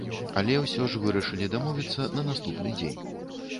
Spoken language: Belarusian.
Але ўсё ж вырашылі дамовіцца на наступны дзень.